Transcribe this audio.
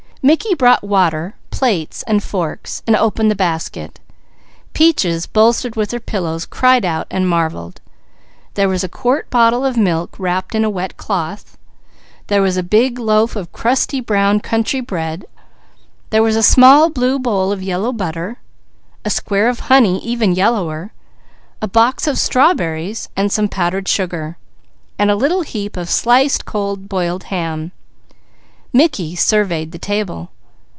Mickey brought water, plates, and forks, and opened the basket. Peaches bolstered with her pillows cried out and marvelled. There was a quart bottle of milk wrapped in a wet cloth. There was a big loaf of crusty brown country bread. There was a small blue bowl of yellow butter, a square of honey even yellower, a box of strawberries, and some powdered sugar, and a little heap of sliced, cold boiled ham. Mickey surveyed the table.